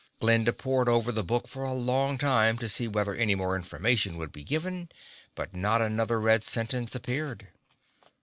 Glinda pored over the book for a long time to see whether any more information would be given but not another red sentence appeared.